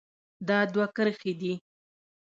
دا دوه کرښې دي.